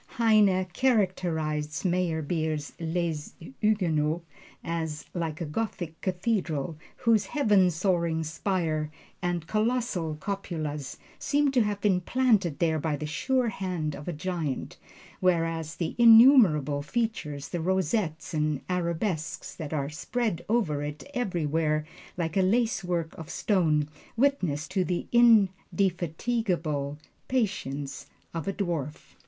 Heine characterized Meyerbeer's "Les Huguenots" as "like a Gothic cathedral whose heaven soaring spire and colossal cupolas seem to have been planted there by the sure hand of a giant; whereas the innumerable features, the rosettes and arabesques that are spread over it everywhere like a lacework of stone, witness to the indefatigable patience of a dwarf."